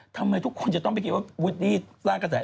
ทำไมทุกคนจะต้องไปคิดว่าวูดดี้สร้างกระแส